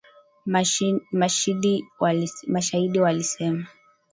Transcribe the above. mashahidi walisema